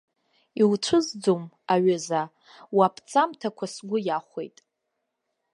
Иуцәызӡом, аҩыза, уаԥҵамҭақәа сгәы иахәеит.